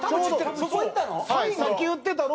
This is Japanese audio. そこ行ったの？